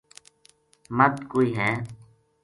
مدھ کوئے ہے